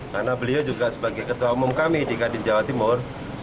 karena beliau juga sebagai ketua umum kami di kadir jawa timur